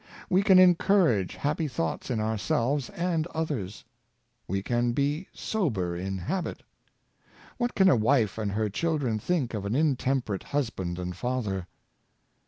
We can encourage happy thoughts in ourselves and others Good Manners, 23 \Ve can be sober in habit. What can a wife and her children think of an intemperate husband and father?